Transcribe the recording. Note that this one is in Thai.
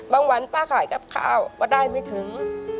วันป้าขายกับข้าวก็ได้ไม่ถึง